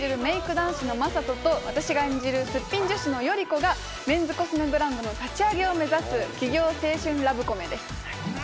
男子の雅人と、私が演じるすっぴん女子の頼子が、メンズコスメブランドの立ち上げを目指す起業青春ラブコメです。